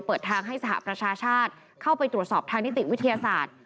เปิดทางให้สหประชาชาติเข้าไปตรวจสอบทางนิติวิทยาศาสตร์